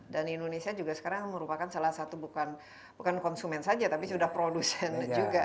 dan indonesia juga sekarang merupakan salah satu bukan konsumen saja tapi sudah produsen juga